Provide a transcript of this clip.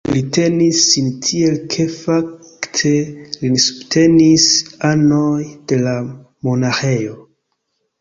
Li tenis sin tiel ke fakte lin subtenis anoj de la monaĥejo.